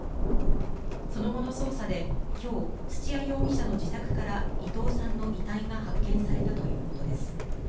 その後の捜査できょう、土屋容疑者の自宅から伊藤さんの遺体が発見されたということです。